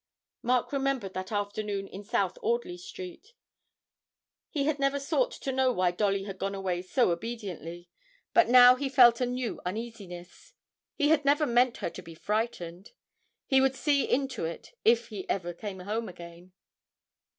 Mark remembered that afternoon in South Audley Street. He had never sought to know why Dolly had gone away so obediently, but now he felt a new uneasiness; he had never meant her to be frightened; he would see into it if he ever came home again.